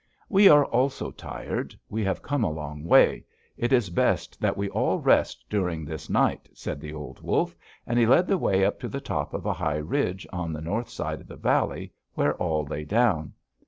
"'We are also tired; we have come a long way; it is best that we all rest during this night,' said the old wolf; and he led the way up to the top of a high ridge on the north side of the valley, where all lay down.